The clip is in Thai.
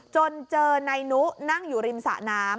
จนเจอนิ้วนั่งอยู่ริมศตร์น้ำ